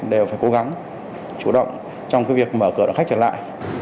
đều phải cố gắng chủ động trong cái việc mở cửa cho khách trở lại